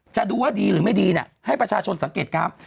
จะดูว่าดีหรือไม่ดีเนี่ยให้ประชาชนสังเกตการ